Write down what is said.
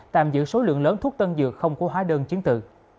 tạm giữ số lượng lớn thuốc tân dược không có hóa đơn chiến tự